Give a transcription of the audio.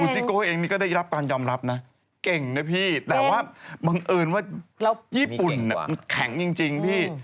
ซิโก้เองนี่ก็ได้รับการยอมรับนะเก่งนะพี่แต่ว่าบังเอิญว่าญี่ปุ่นมันแข็งจริงพี่